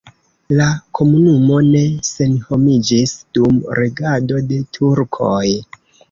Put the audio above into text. La komunumo ne senhomiĝis dum regado de turkoj.